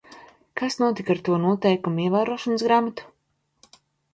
"Kas notika ar to "noteikumu ievērošanas grāmatu"?"